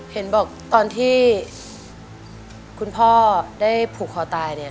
เห็นบอกตอนที่คุณพ่อได้ผูกคอตายเนี่ย